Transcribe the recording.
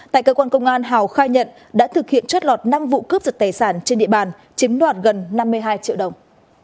tại cơ quan công an hào khai nhận đã thực hiện trót lọt năm vụ cướp giật tài sản trên địa bàn chiếm đoạt gần năm mươi hai triệu đồng